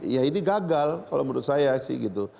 ya ini gagal kalau menurut saya sih gitu